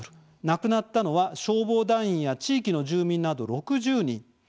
亡くなったのは消防団員や地域の住民など６０人。